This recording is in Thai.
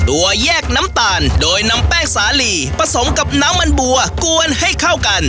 แยกน้ำตาลโดยนำแป้งสาหลีผสมกับน้ำมันบัวกวนให้เข้ากัน